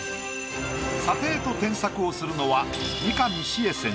査定と添削をするのは。